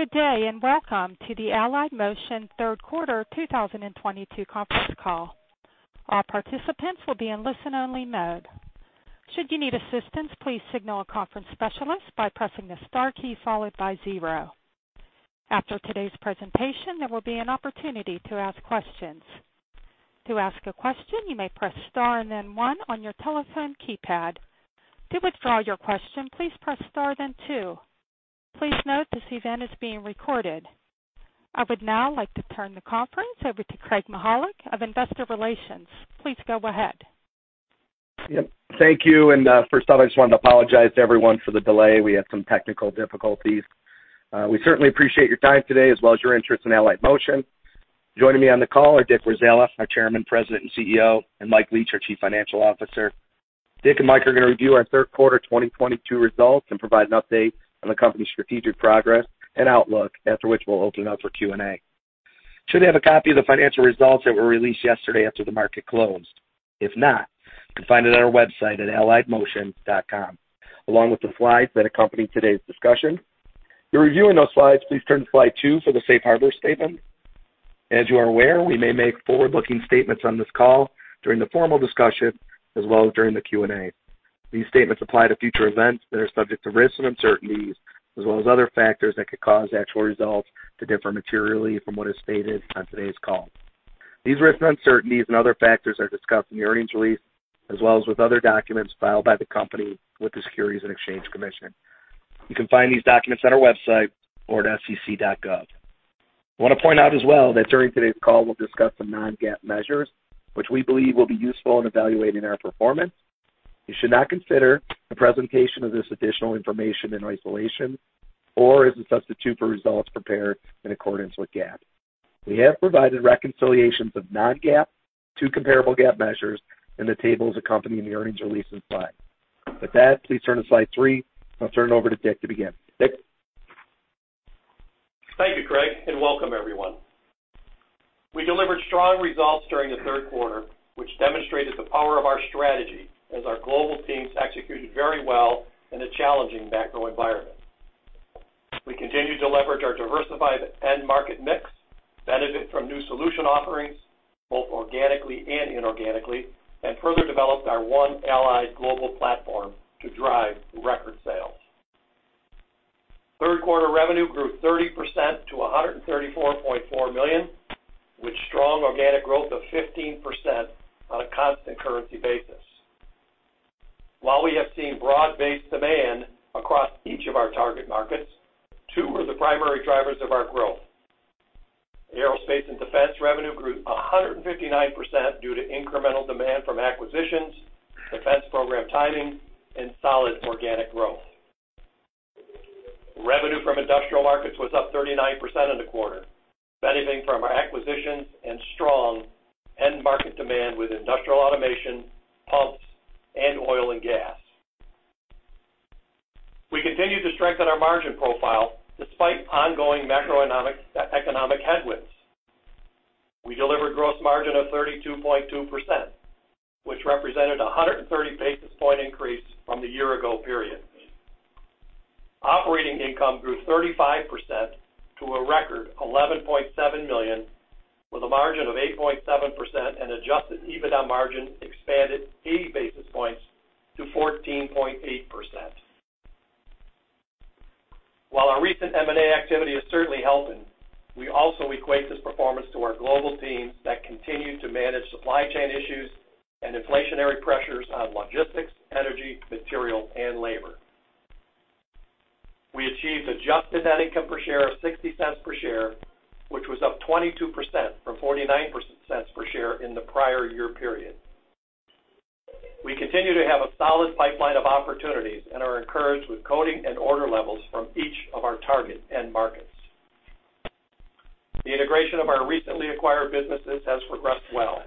Good day, and welcome to the Allient third quarter 2022 conference call. All participants will be in listen-only mode. Should you need assistance, please signal a conference specialist by pressing the star key followed by zero. After today's presentation, there will be an opportunity to ask questions. To ask a question, you may press star and then one on your telephone keypad. To withdraw your question, please press star, then two. Please note, this event is being recorded. I would now like to turn the conference over to Craig Mychajluk of Investor Relations. Please go ahead. Yep, thank you. First off, I just wanted to apologize to everyone for the delay. We had some technical difficulties. We certainly appreciate your time today as well as your interest in Allient Inc. Joining me on the call are Dick Warzala, our Chairman, President, and CEO, and Mike Leach, our Chief Financial Officer. Dick and Mike are gonna review our third quarter 2022 results and provide an update on the company's strategic progress and outlook. After which, we'll open it up for Q&A. You should have a copy of the financial results that were released yesterday after the market closed. If not, you can find it on our website at allient.com along with the slides that accompany today's discussion. If you're reviewing those slides, please turn to slide two for the safe harbor statement. As you are aware, we may make forward-looking statements on this call during the formal discussion as well as during the Q&A. These statements apply to future events that are subject to risks and uncertainties as well as other factors that could cause actual results to differ materially from what is stated on today's call. These risks and uncertainties and other factors are discussed in the earnings release as well as with other documents filed by the company with the Securities and Exchange Commission. You can find these documents on our website or at sec.gov. I wanna point out as well that during today's call we'll discuss some non-GAAP measures which we believe will be useful in evaluating our performance. You should not consider the presentation of this additional information in isolation or as a substitute for results prepared in accordance with GAAP. We have provided reconciliations of non-GAAP to comparable GAAP measures in the tables accompanying the earnings release inside. With that, please turn to slide three. I'll turn it over to Dick to begin. Dick? Thank you, Craig, and welcome everyone. We delivered strong results during the third quarter, which demonstrated the power of our strategy as our global teams executed very well in a challenging macro environment. We continued to leverage our diversified end market mix, benefit from new solution offerings, both organically and inorganically, and further developed our One Allient global platform to drive record sales. Third quarter revenue grew 30% to $134.4 million, with strong organic growth of 15% on a constant currency basis. While we have seen broad-based demand across each of our target markets, two were the primary drivers of our growth. Aerospace and defense revenue grew 159% due to incremental demand from acquisitions, defense program timing, and solid organic growth. Revenue from industrial markets was up 39% in the quarter, benefiting from our acquisitions and strong end market demand with industrial automation, pumps, and oil and gas. We continued to strengthen our margin profile despite ongoing macroeconomic, economic headwinds. We delivered gross margin of 32.2%, which represented a 130 basis point increase from the year ago period. Operating income grew 35% to a record $11.7 million, with a margin of 8.7% and adjusted EBITDA margin expanded 80 basis points to 14.8%. While our recent M&A activity is certainly helping, we also equate this performance to our global teams that continue to manage supply chain issues and inflationary pressures on logistics, energy, material, and labor. We achieved adjusted net income per share of $0.60 per share, which was up 22% from 49 cents per share in the prior year period. We continue to have a solid pipeline of opportunities and are encouraged with bookings and order levels from each of our target end markets. The integration of our recently acquired businesses has progressed well.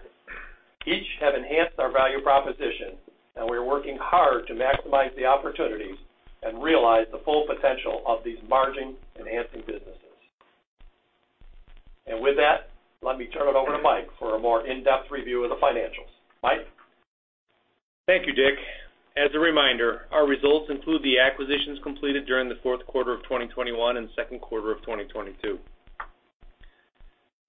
Each have enhanced our value proposition, and we are working hard to maximize the opportunities and realize the full potential of these margin enhancing businesses. With that, let me turn it over to Mike for a more in-depth review of the financials. Mike? Thank you, Dick. As a reminder, our results include the acquisitions completed during the fourth quarter of 2021 and second quarter of 2022.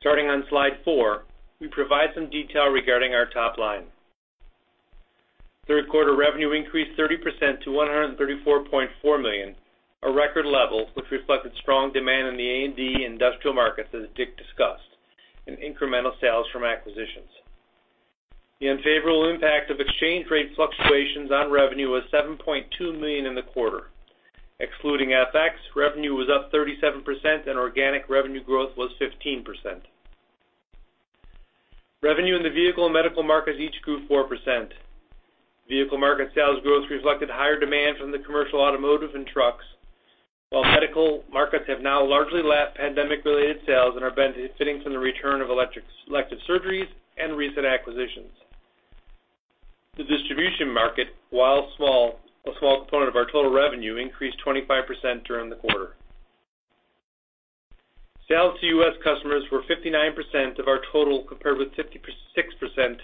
Starting on slide four, we provide some detail regarding our top line. Third quarter revenue increased 30% to $134.4 million, a record level which reflected strong demand in the A&D industrial markets, as Dick discussed, and incremental sales from acquisitions. The unfavorable impact of exchange rate fluctuations on revenue was $7.2 million in the quarter. Excluding FX, revenue was up 37% and organic revenue growth was 15%. Revenue in the vehicle and medical markets each grew 4%. Vehicle market sales growth reflected higher demand from the commercial automotive and trucks, while medical markets have now largely lapped pandemic related sales and are benefiting from the return of elective surgeries and recent acquisitions. The distribution market, while a small component of our total revenue, increased 25% during the quarter. Sales to U.S. customers were 59% of our total, compared with 56%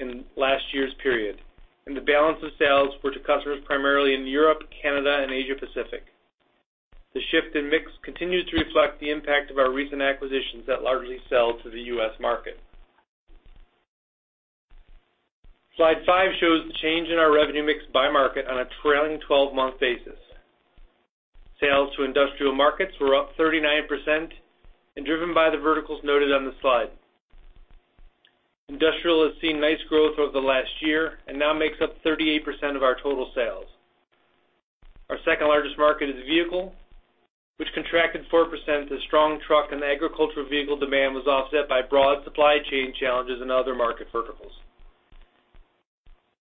in last year's period, and the balance of sales were to customers primarily in Europe, Canada, and Asia Pacific. The shift in mix continues to reflect the impact of our recent acquisitions that largely sell to the U.S. market. Slide five shows the change in our revenue mix by market on a trailing twelve-month basis. Sales to industrial markets were up 39% and driven by the verticals noted on the slide. Industrial has seen nice growth over the last year and now makes up 38% of our total sales. Our second largest market is vehicle, which contracted 4% as strong truck and agricultural vehicle demand was offset by broad supply chain challenges in other market verticals.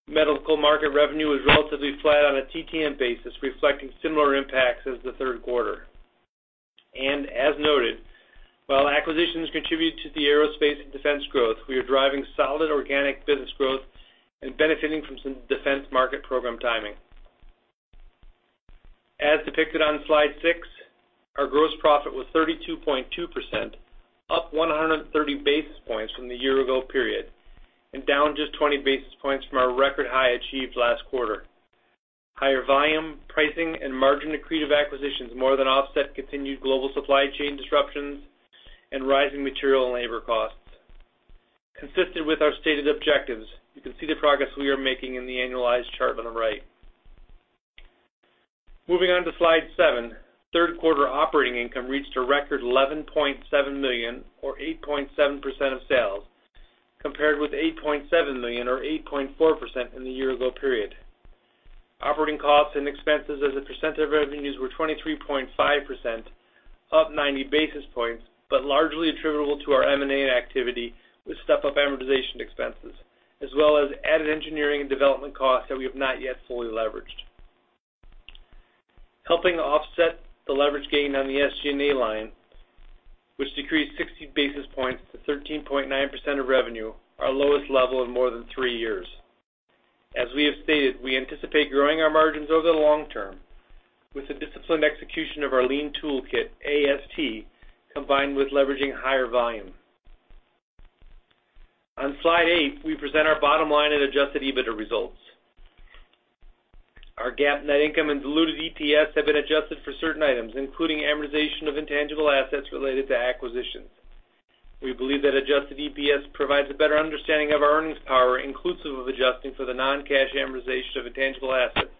Medical market revenue was relatively flat on a TTM basis, reflecting similar impacts as the third quarter. As noted, while acquisitions contribute to the aerospace and defense growth, we are driving solid organic business growth and benefiting from some defense market program timing. As depicted on slide six, our gross profit was 32.2%, up 130 basis points from the year ago period, and down just 20 basis points from our record high achieved last quarter. Higher volume, pricing, and margin accretive acquisitions more than offset continued global supply chain disruptions and rising material and labor costs. Consistent with our stated objectives, you can see the progress we are making in the annualized chart on the right. Moving on to slide seven. Third quarter operating income reached a record $11.7 million or 8.7% of sales, compared with $8.7 million or 8.4% in the year-ago period. Operating costs and expenses as a percent of revenues were 23.5%, up 90 basis points, but largely attributable to our M&A activity with step up amortization expenses, as well as added engineering and development costs that we have not yet fully leveraged. Helping offset the leverage gain on the SG&A line, which decreased 60 basis points to 13.9% of revenue, our lowest level in more than three years. As we have stated, we anticipate growing our margins over the long term with the disciplined execution of our lean toolkit, AST, combined with leveraging higher volume. On slide eight, we present our bottom line and adjusted EBITDA results. Our GAAP net income and diluted EPS have been adjusted for certain items, including amortization of intangible assets related to acquisitions. We believe that adjusted EPS provides a better understanding of our earnings power, inclusive of adjusting for the non-cash amortization of intangible assets,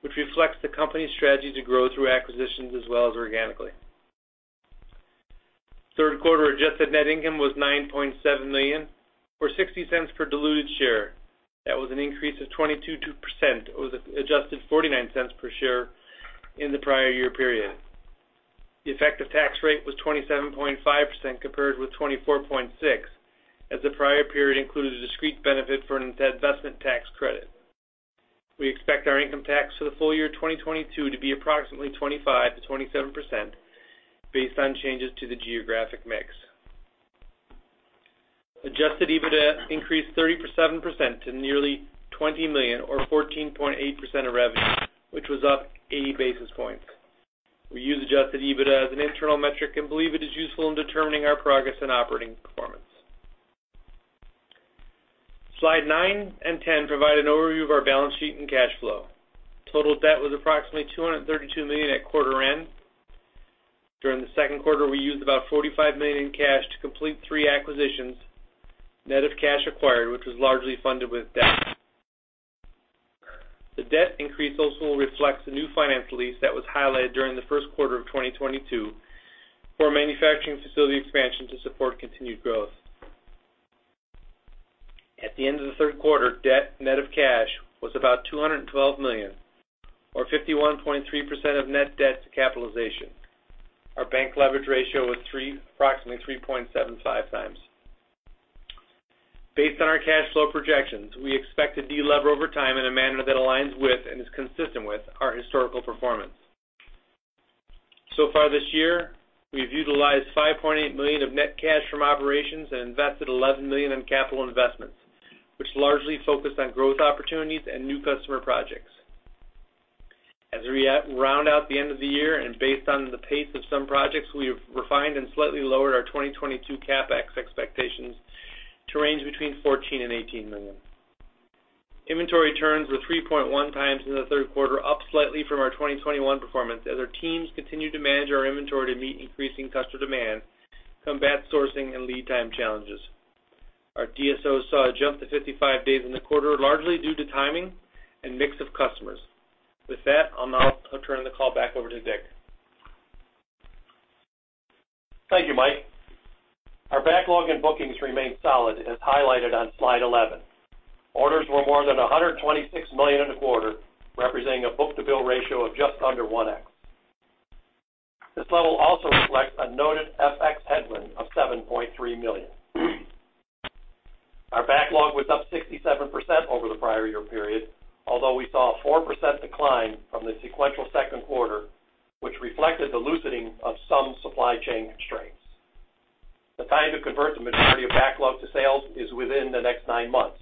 which reflects the company's strategy to grow through acquisitions as well as organically. Third quarter adjusted net income was $9.7 million or $0.60 per diluted share. That was an increase of 22% over the adjusted $0.49 per share in the prior year period. The effective tax rate was 27.5% compared with 24.6%, as the prior period included a discrete benefit for an investment tax credit. We expect our income tax for the full year 2022 to be approximately 25%-27% based on changes to the geographic mix. Adjusted EBITDA increased 37% to nearly $20 million or 14.8% of revenue, which was up 80 basis points. We use adjusted EBITDA as an internal metric and believe it is useful in determining our progress and operating performance. Slides nine and 10 provide an overview of our balance sheet and cash flow. Total debt was approximately $232 million at quarter end. During the second quarter, we used about $45 million in cash to complete three acquisitions, net of cash acquired, which was largely funded with debt. The debt increase also reflects the new finance lease that was highlighted during the first quarter of 2022 for manufacturing facility expansion to support continued growth. At the end of the third quarter, debt net of cash was about $212 million or 51.3% of net debt to capitalization. Our bank leverage ratio was approximately 3.75 times. Based on our cash flow projections, we expect to delever over time in a manner that aligns with and is consistent with our historical performance. So far this year, we've utilized $5.8 million of net cash from operations and invested $11 million in capital investments, which largely focused on growth opportunities and new customer projects. As we round out the end of the year and based on the pace of some projects, we've refined and slightly lowered our 2022 CapEx expectations to range between $14 million-$18 million. Inventory turns were 3.1 times in the third quarter, up slightly from our 2021 performance as our teams continue to manage our inventory to meet increasing customer demand, combat sourcing, and lead time challenges. Our DSOs saw a jump to 55 days in the quarter, largely due to timing and mix of customers. With that, I'll now turn the call back over to Dick. Thank you, Mike. Our backlog and bookings remain solid as highlighted on slide 11. Orders were more than $126 million in the quarter, representing a book-to-bill ratio of just under 1x. This level also reflects a noted FX headwind of $7.3 million. Our backlog was up 67% over the prior year period, although we saw a 4% decline from the sequential second quarter, which reflected the loosening of some supply chain constraints. The time to convert the majority of backlog to sales is within the next nine months.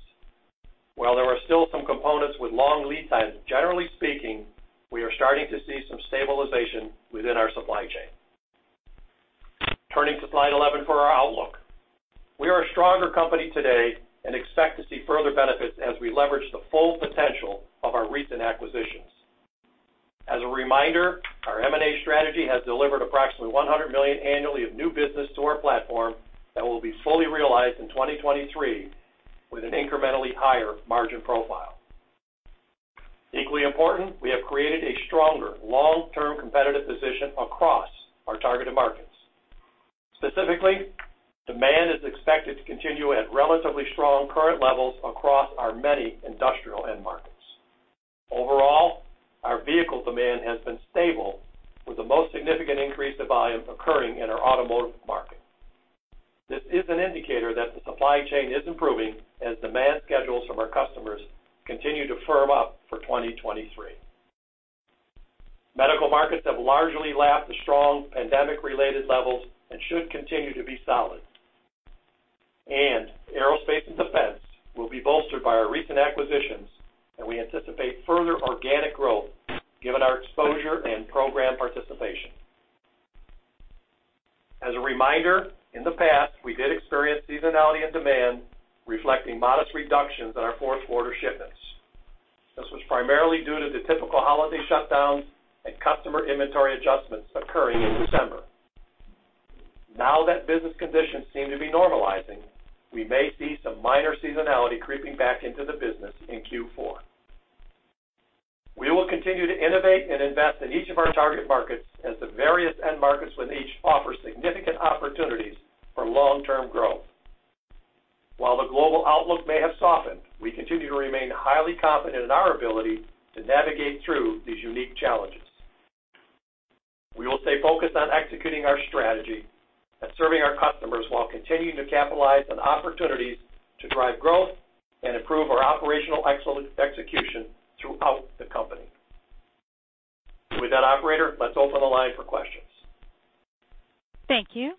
While there are still some components with long lead times, generally speaking, we are starting to see some stabilization within our supply chain. Turning to slide 11 for our outlook. We are a stronger company today, and expect to see further benefits as we leverage the full potential of our recent acquisitions. As a reminder, our M&A strategy has delivered approximately $100 million annually of new business to our platform that will be fully realized in 2023, with an incrementally higher margin profile. Equally important, we have created a stronger long-term competitive position across our targeted markets. Specifically, demand is expected to continue at relatively strong current levels across our many industrial end markets. Overall, our vehicle demand has been stable, with the most significant increase of volume occurring in our automotive market. This is an indicator that the supply chain is improving as demand schedules from our customers continue to firm up for 2023. Medical markets have largely lapped the strong pandemic-related levels and should continue to be solid. Aerospace & Defense will be bolstered by our recent acquisitions, and we anticipate further organic growth given our exposure and program participation. As a reminder, in the past, we did experience seasonality and demand, reflecting modest reductions in our fourth quarter shipments. This was primarily due to the typical holiday shutdowns and customer inventory adjustments occurring in December. Now that business conditions seem to be normalizing, we may see some minor seasonality creeping back into the business in Q4. We will continue to innovate and invest in each of our target markets as the various end markets with each offer significant opportunities for long-term growth. While the global outlook may have softened, we continue to remain highly confident in our ability to navigate through these unique challenges. We will stay focused on executing our strategy and serving our customers while continuing to capitalize on opportunities to drive growth and improve our operational execution throughout the company. With that, operator, let's open the line for questions. Thank you.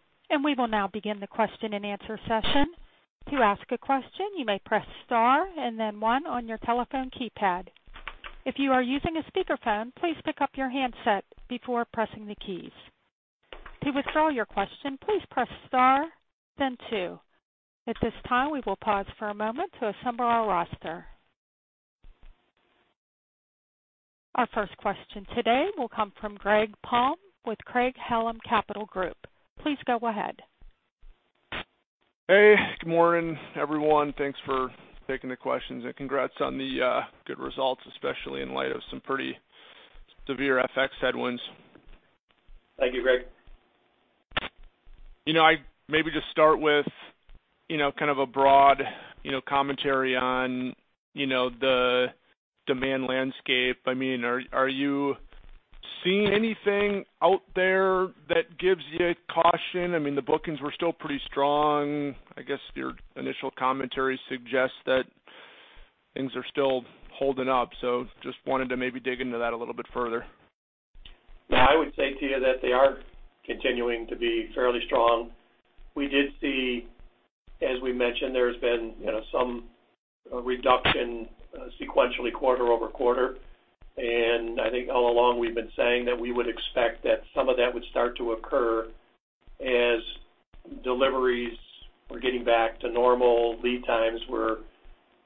We will now begin the question-and-answer session. To ask a question, you may press star and then one on your telephone keypad. If you are using a speakerphone, please pick up your handset before pressing the keys. To withdraw your question, please press star then two. At this time, we will pause for a moment to assemble our roster. Our first question today will come from Greg Palm with Craig-Hallum Capital Group. Please go ahead. Hey, good morning, everyone. Thanks for taking the questions. Congrats on the good results, especially in light of some pretty severe FX headwinds. Thank you, Greg. You know, I maybe just start with, you know, kind of a broad, you know, commentary on, you know, the demand landscape. I mean, are you seeing anything out there that gives you caution? I mean, the bookings were still pretty strong. I guess your initial commentary suggests that things are still holding up. Just wanted to maybe dig into that a little bit further. Yeah, I would say to you that they are continuing to be fairly strong. We did see. As we mentioned, there's been, you know, some reduction sequentially quarter-over-quarter. I think all along we've been saying that we would expect that some of that would start to occur as deliveries were getting back to normal, lead times were,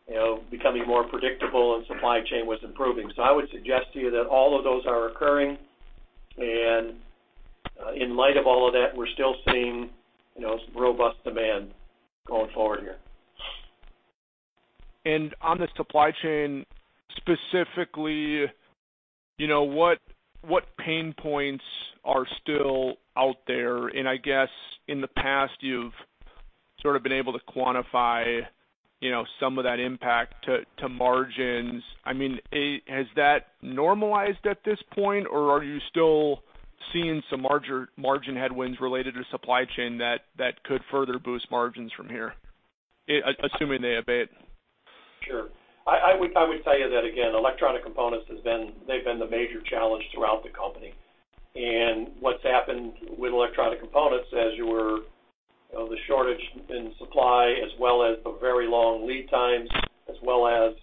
you know, becoming more predictable and supply chain was improving. I would suggest to you that all of those are occurring. In light of all of that, we're still seeing, you know, some robust demand going forward here. On the supply chain, specifically, you know, what pain points are still out there? I guess in the past, you've sort of been able to quantify, you know, some of that impact to margins. I mean, has that normalized at this point, or are you still seeing some margin headwinds related to supply chain that could further boost margins from here, assuming they abate? Sure. I would tell you that again, electronic components—they've been the major challenge throughout the company. What's happened with electronic components as you were, you know, the shortage in supply as well as the very long lead times, as well as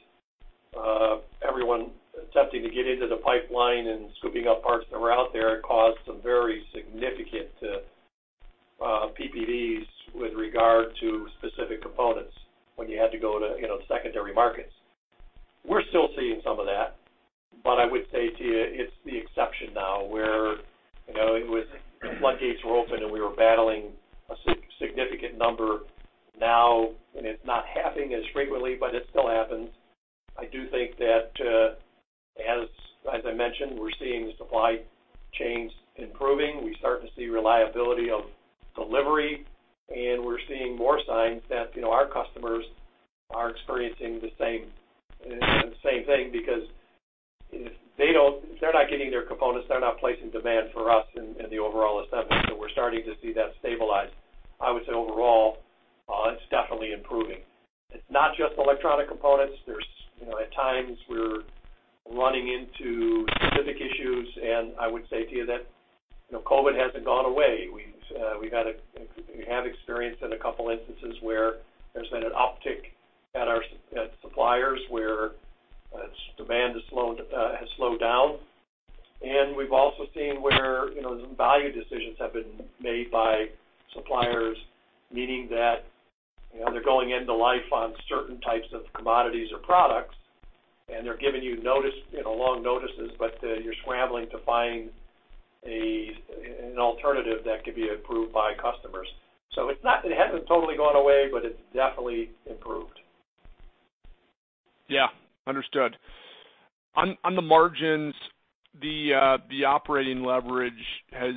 everyone attempting to get into the pipeline and scooping up parts that were out there caused some very significant PPVs with regard to specific components when you had to go to, you know, secondary markets. We're still seeing some of that, but I would say to you, it's the exception now, where, you know, the floodgates were open and we were battling a significant number, now, and it's not happening as frequently, but it still happens. I do think that, as I mentioned, we're seeing the supply chains improving. We're starting to see reliability of delivery, and we're seeing more signs that, you know, our customers are experiencing the same thing because if they're not getting their components, they're not placing demand for us in the overall assembly. We're starting to see that stabilize. I would say overall, it's definitely improving. It's not just electronic components. You know, at times we're running into specific issues, and I would say to you that, you know, COVID hasn't gone away. We have experienced in a couple instances where there's been an uptick at our suppliers where demand has slowed down. We've also seen where, you know, value decisions have been made by suppliers, meaning that, you know, they're going end-of-life on certain types of commodities or products, and they're giving you notice, you know, long notices, but you're scrambling to find an alternative that could be approved by customers. It hasn't totally gone away, but it's definitely improved. Yeah. Understood. On the margins, the operating leverage has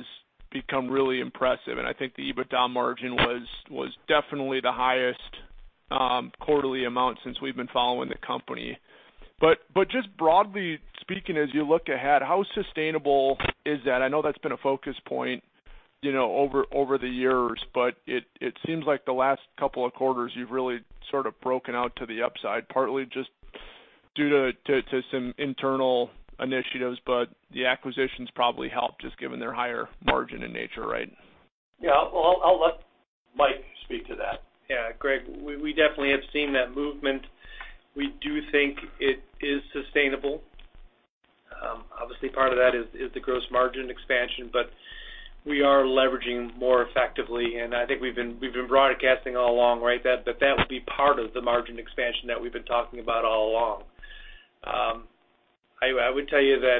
become really impressive, and I think the EBITDA margin was definitely the highest quarterly amount since we've been following the company. Just broadly speaking, as you look ahead, how sustainable is that? I know that's been a focus point, you know, over the years, but it seems like the last couple of quarters you've really sort of broken out to the upside, partly just due to some internal initiatives, but the acquisitions probably helped just given their higher margin in nature, right? Yeah. Well, I'll let Mike speak to that. Yeah. Greg, we definitely have seen that movement. We do think it is sustainable. Obviously part of that is the gross margin expansion, but we are leveraging more effectively, and I think we've been broadcasting all along, right? That would be part of the margin expansion that we've been talking about all along. I would tell you that,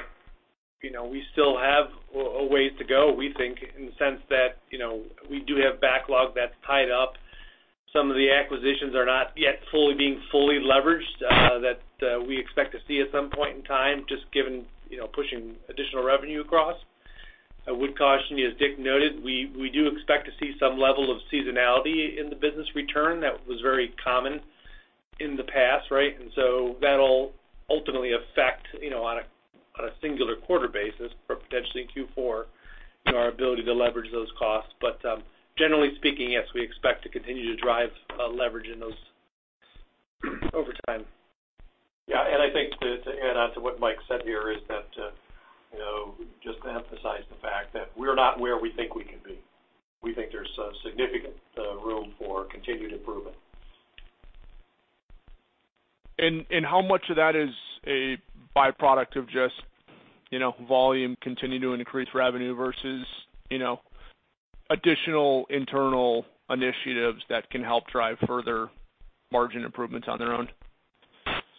you know, we still have a ways to go, we think, in the sense that, you know, we do have backlog that's tied up. Some of the acquisitions are not yet fully being leveraged, that we expect to see at some point in time, just given, you know, pushing additional revenue across. I would caution you, as Dick noted, we do expect to see some level of seasonality in the business return. That was very common in the past, right? That'll ultimately affect, you know, on a singular quarter basis or potentially in Q4, you know, our ability to leverage those costs. Generally speaking, yes, we expect to continue to drive leverage in those over time. Yeah. I think to add on to what Mike said here is that, you know, just to emphasize the fact that we're not where we think we can be. We think there's significant room for continued improvement. how much of that is a by-product of just, you know, volume continuing to increase revenue versus, you know, additional internal initiatives that can help drive further margin improvements on their own?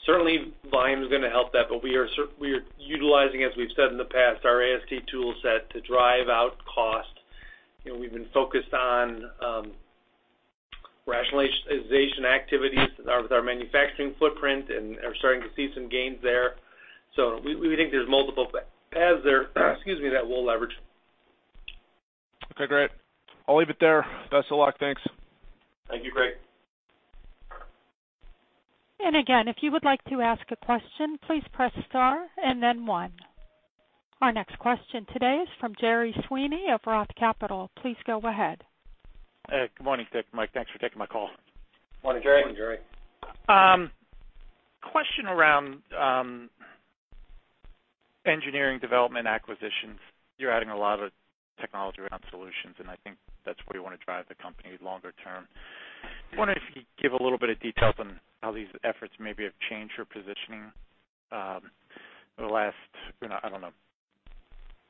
Certainly volume is gonna help that, but we are utilizing, as we've said in the past, our AST tool set to drive out cost. You know, we've been focused on rationalization activities with our manufacturing footprint and are starting to see some gains there. We think there's multiple paths there, excuse me, that we'll leverage. Okay, great. I'll leave it there. Best of luck. Thanks. Thank you, Greg. Again, if you would like to ask a question, please press star and then one. Our next question today is from Gerry Sweeney of Roth Capital. Please go ahead. Hey. Good morning, Dick, Mike. Thanks for taking my call. Morning, Gerry. Morning, Gerry. Question around engineering development acquisitions. You're adding a lot of technology around solutions, and I think that's where you wanna drive the company longer term. Wondering if you could give a little bit of details on how these efforts maybe have changed your positioning. The last, you know, I don't know,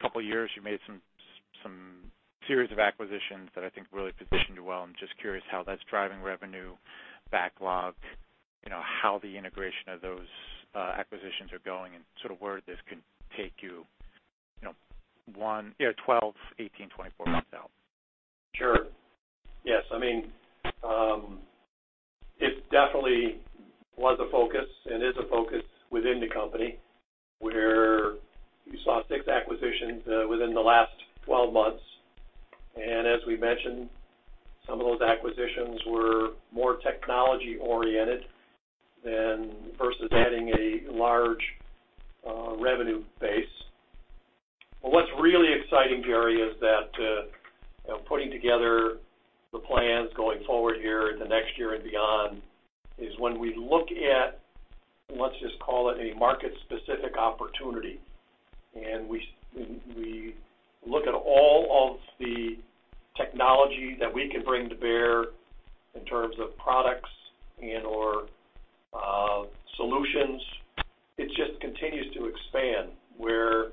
couple years you made some series of acquisitions that I think really positioned you well, and just curious how that's driving revenue backlog. You know, how the integration of those acquisitions are going and sort of where this can take you know, one yeah, 12, 18, 24 months out. Sure. Yes. I mean, it definitely was a focus and is a focus within the company, where you saw six acquisitions within the last 12 months. As we mentioned, some of those acquisitions were more technology oriented than versus adding a large revenue base. What's really exciting, Gerry, is that, you know, putting together the plans going forward here in the next year and beyond is when we look at, let's just call it a market specific opportunity, and we look at all of the technology that we can bring to bear in terms of products and/or solutions, it just continues to expand where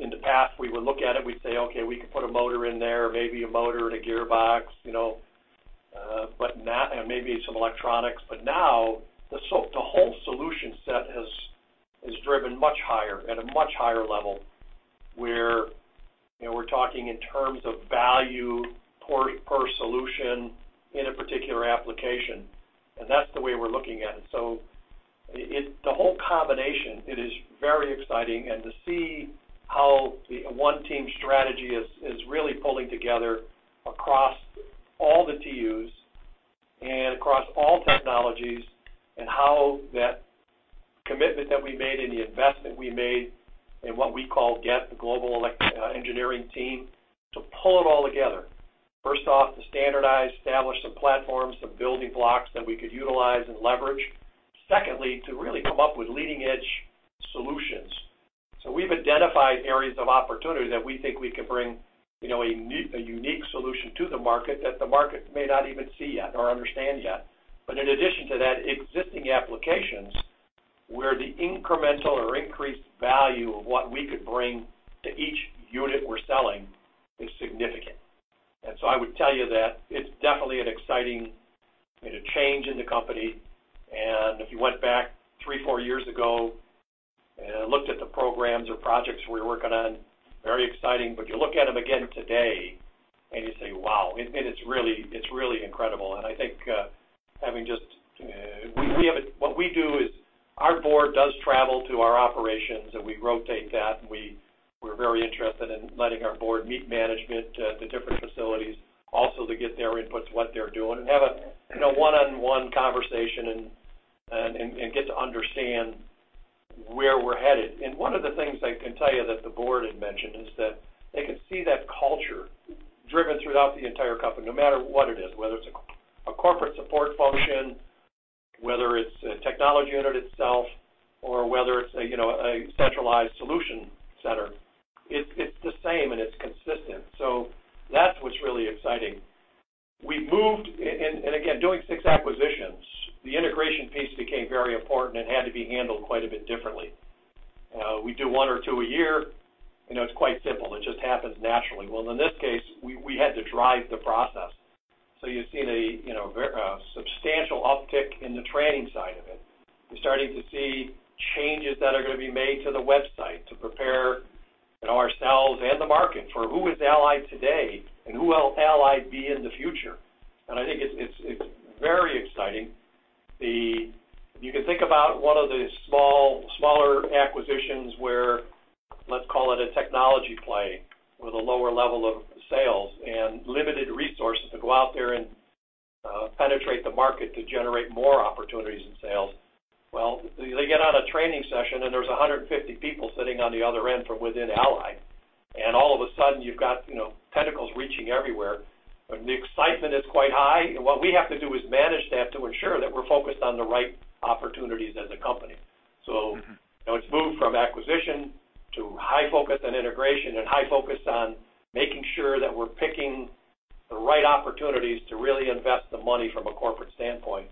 in the past, we would look at it, we'd say, "Okay, we can put a motor in there, maybe a motor and a gearbox, you know, but not. Maybe some electronics. But now the whole solution set has driven much higher, at a much higher level, where, you know, we're talking in terms of value per solution in a particular application. That's the way we're looking at it. The whole combination, it is very exciting. To see how one team strategy is really pulling together across all the TUs and across all technologies and how that commitment that we made and the investment we made in what we call GET, the Global Engineering Team, to pull it all together. First off, to standardize, establish some platforms, some building blocks that we could utilize and leverage. Secondly, to really come up with leading-edge solutions. We've identified areas of opportunity that we think we can bring, you know, a unique solution to the market that the market may not even see yet or understand yet. In addition to that, existing applications where the incremental or increased value of what we could bring to each unit we're selling is significant. I would tell you that it's definitely an exciting, you know, change in the company. If you went back three, four years ago and looked at the programs or projects we were working on, very exciting, but you look at them again today and you say, "Wow," and it's really incredible. I think having just... What we do is our board does travel to our operations, and we rotate that, and we're very interested in letting our board meet management at the different facilities, also to get their input to what they're doing and have a, you know, one-on-one conversation and get to understand where we're headed. One of the things I can tell you that the board had mentioned is that they could see that culture driven throughout the entire company, no matter what it is, whether it's a corporate support function, whether it's a technology unit itself, or whether it's a, you know, a centralized solution center. It's the same and it's consistent. That's what's really exciting. We've moved. Again, doing six acquisitions, the integration piece became very important and had to be handled quite a bit differently. We do one or two a year. You know, it's quite simple. It just happens naturally. Well, in this case, we had to drive the process. So you've seen a, you know, a substantial uptick in the training side of it. You're starting to see changes that are gonna be made to the website to prepare, you know, ourselves and the market for who is Allient today and who will Allient be in the future. I think it's very exciting. You can think about one of the smaller acquisitions where, let's call it a technology play with a lower level of sales and limited resources to go out there and penetrate the market to generate more opportunities in sales. Well, they get on a training session, and there's 150 people sitting on the other end from within Allient. All of a sudden, you've got, you know, tentacles reaching everywhere, and the excitement is quite high. What we have to do is manage that to ensure that we're focused on the right opportunities as a company. Mm-hmm. You know, it's moved from acquisition to high focus on integration and high focus on making sure that we're picking the right opportunities to really invest the money from a corporate standpoint.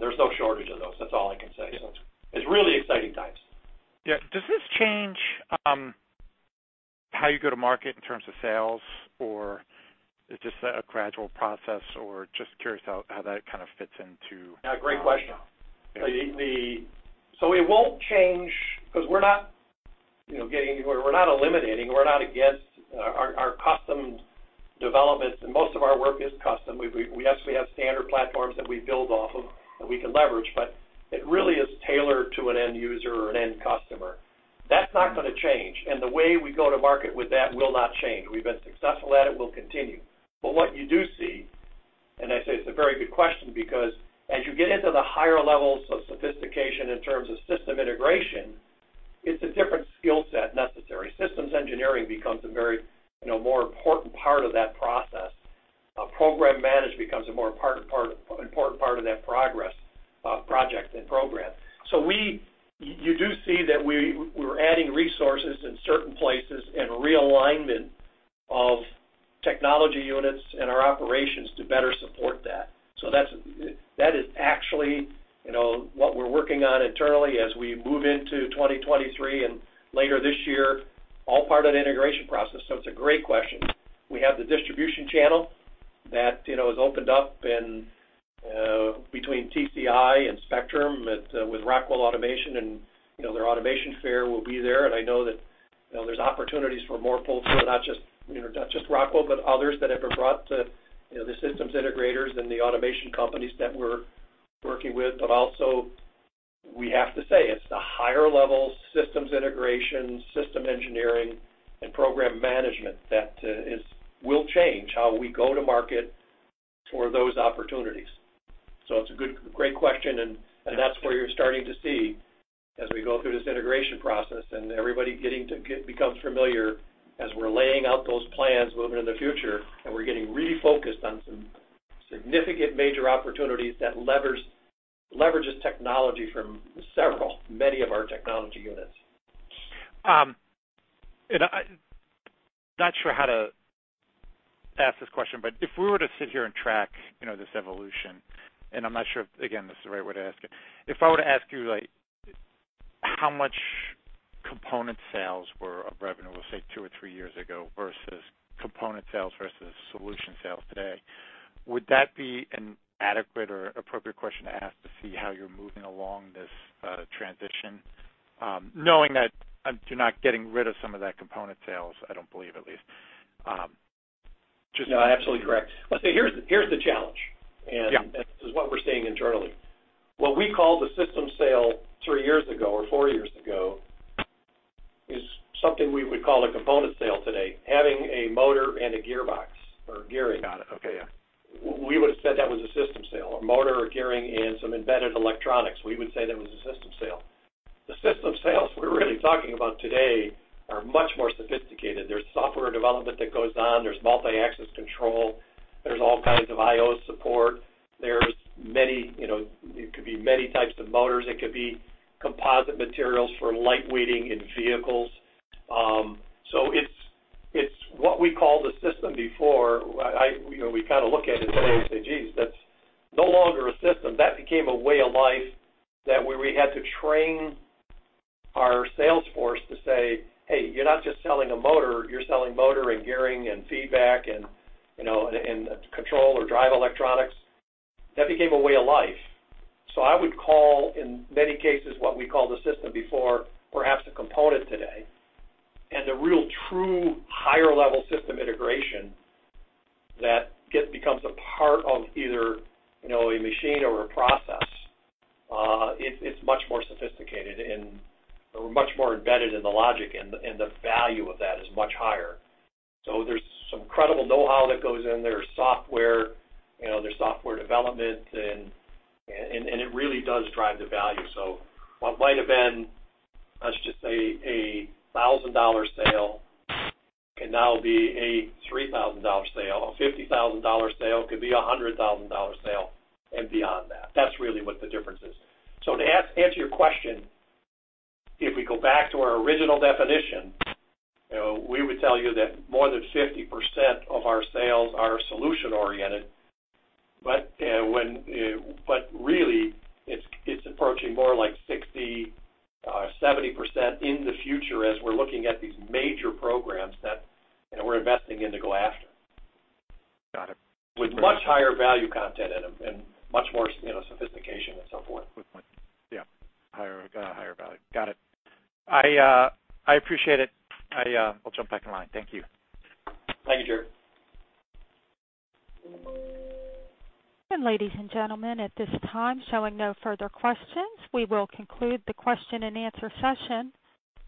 There's no shortage of those. That's all I can say. Yeah. It's really exciting times. Yeah. Does this change how you go to market in terms of sales, or is this a gradual process, or just curious how that kind of fits into? Yeah, great question. Yeah. It won't change because we're not, you know, getting anywhere. We're not eliminating, we're not against our custom developments, and most of our work is custom. We have standard platforms that we build off of, that we can leverage, but it really is tailored to an end user or an end customer. That's not gonna change. The way we go to market with that will not change. We've been successful at it, we'll continue. What you do see, and I say it's a very good question because as you get into the higher levels of sophistication in terms of system integration, it's a different skill set necessary. Systems engineering becomes a very, you know, more important part of that process. Program management becomes a more important part of that process, project and program. You do see that we're adding resources in certain places and realignment of Technology Units and our operations to better support that. That's actually, you know, what we're working on internally as we move into 2023 and later this year, all part of the integration process. It's a great question. We have the distribution channel that, you know, has opened up and between TCI and Spectrum with Rockwell Automation and, you know, their automation fair will be there. I know that, you know, there's opportunities for more folks there, not just Rockwell, but others that have been brought to, you know, the systems integrators and the automation companies that we're working with. Also, we have to say it's the higher level systems integration, system engineering and program management that will change how we go to market for those opportunities. It's a great question and that's where you're starting to see as we go through this integration process and everybody becomes familiar as we're laying out those plans moving in the future and we're getting refocused on some significant major opportunities that leverages technology from several, many of our Technology Units. I'm not sure how to ask this question, but if we were to sit here and track, you know, this evolution, and I'm not sure if, again, this is the right way to ask it. If I were to ask you, like, how much component sales were of revenue, let's say, two or three years ago versus component sales versus solution sales today, would that be an adequate or appropriate question to ask to see how you're moving along this transition? Knowing that you're not getting rid of some of that component sales, I don't believe at least. No, absolutely correct. Let's say here's the challenge. Yeah. This is what we're seeing internally. What we called a system sale three years ago or four years ago is something we would call a component sale today, having a motor and a gearbox or gearing. Got it. Okay, yeah. We would have said that was a system sale. A motor, a gearing, and some embedded electronics, we would say that was a system sale. The system sales we're really talking about today are much more sophisticated. There's software development that goes on, there's multi-axis control, there's all kinds of I/O support. There's many, you know, it could be many types of motors. It could be composite materials for light weighting in vehicles. So it's what we call the system before. I, you know, we kind of look at it today and say, "Geez, that's no longer a system." That became a way of life that we had to train our sales force to say, "Hey, you're not just selling a motor, you're selling motor and gearing and feedback, you know, and control or drive electronics." That became a way of life. I would call, in many cases, what we call the system before, perhaps a component today. The real true higher level system integration that becomes a part of either, you know, a machine or a process, it's much more sophisticated and, or much more embedded in the logic and the value of that is much higher. There's some credible know-how that goes in. There's software, you know, there's software development and it really does drive the value. What might have been, let's just say a $1,000 sale can now be a $3,000 sale. A $50,000 sale could be a $100,000 sale and beyond that. That's really what the difference is. To answer your question, if we go back to our original definition, you know, we would tell you that more than 50% of our sales are solution oriented, but really it's approaching more like 60%-70% in the future as we're looking at these major programs that, you know, we're investing in to go after. Got it. With much higher value content in them and much more, you know, sophistication and so forth. Good point. Yeah. Higher, got a higher value. Got it. I appreciate it. I will jump back in line. Thank you. Thank you, Gerry. Ladies and gentlemen, at this time, seeing no further questions, we will conclude the question and answer session.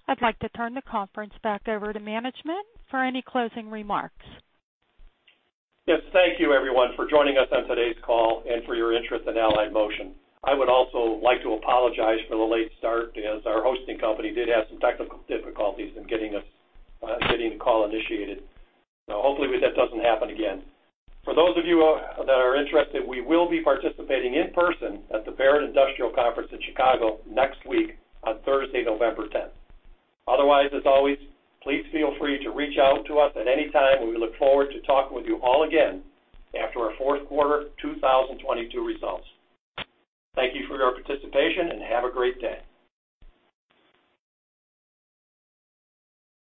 I'd like to turn the conference back over to management for any closing remarks. Yes, thank you everyone for joining us on today's call and for your interest in Allient. I would also like to apologize for the late start, as our hosting company did have some technical difficulties in getting the call initiated. Hopefully that doesn't happen again. For those of you that are interested, we will be participating in person at the Baird Industrial Conference in Chicago next week on Thursday, November tenth. Otherwise, as always, please feel free to reach out to us at any time. We look forward to talking with you all again after our fourth quarter 2022 results. Thank you for your participation, and have a great day.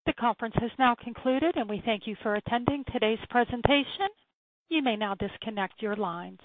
The conference has now concluded, and we thank you for attending today's presentation. You may now disconnect your lines.